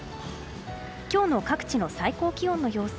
今日の各地の最高気温の様子。